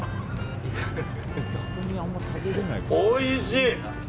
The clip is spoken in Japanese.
おいしい！